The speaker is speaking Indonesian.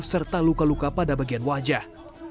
serta luka luka pada bagian wajah